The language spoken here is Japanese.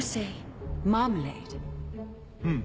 うん。